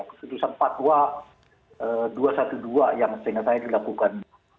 ketutusan padwa dua ratus dua belas yang sejujurnya saya dilakukan